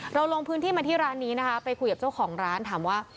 ลงพื้นที่มาที่ร้านนี้นะคะไปคุยกับเจ้าของร้านถามว่า